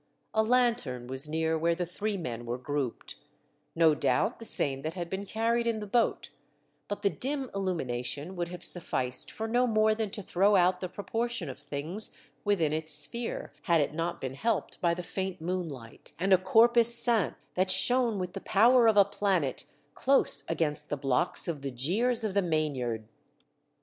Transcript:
A lanthorn was near w^here the three men were grouped, no doubt the same that had been carried in the boat, but the dim illumi nation would have sufficed for no more than to throw out the proportion of things withini its sphere, had it not been helped by the faint moonlight and a corpus sant that shone with the power of a planet close against the blocks of the jeers of the mainyard.